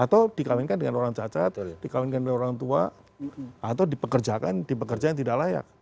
atau dikawinkan dengan orang cacat dikawinkan oleh orang tua atau dipekerjakan di pekerja yang tidak layak